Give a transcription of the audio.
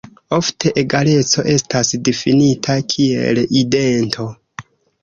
Ofte egaleco estas difinita kiel idento.